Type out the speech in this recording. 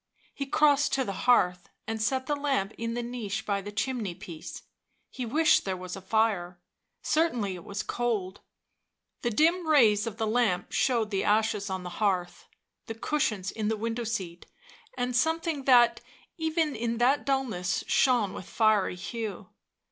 He crossed to the hearth and set the lamp in the niche by the chimney piece; he wished there was a fire — certainly it was cold. The dim rays of the lamp showed the ashes on the hearth, the cushions in the window seat, and something that, even in that dullness, shone with fiery hue.